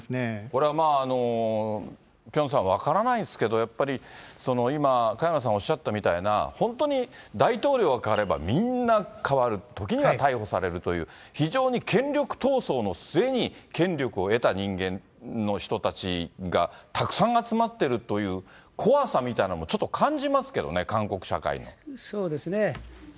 これはまあ、ピョンさん、分からないんですけど、やっぱり、今、萱野さんおっしゃったみたいな、本当に大統領がかわれば、みんなかわる、時には逮捕されるという、非常に権力闘争の末に、権力を得た人間の人たちがたくさん集まっているという、怖さみたいなのもちょっと感じますけどね、韓国社そうですね。